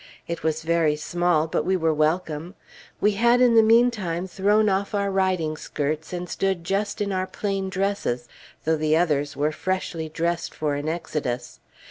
It was very small, but we were welcome. We had in the mean time thrown off our riding skirts, and stood just in our plain dresses, though the others were freshly dressed for an exodus.